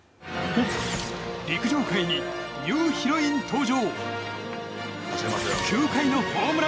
陸上界にニューヒロイン登場！